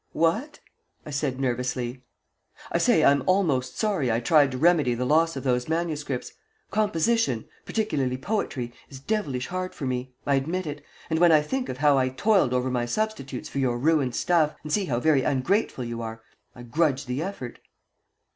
"What?" I said, nervously. "I say I'm almost sorry I tried to remedy the loss of those manuscripts. Composition, particularly poetry, is devilish hard for me I admit it and when I think of how I toiled over my substitutes for your ruined stuff, and see how very ungrateful you are, I grudge the effort."